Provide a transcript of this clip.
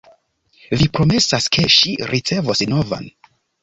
Vi promesas, ke ŝi ricevos novan.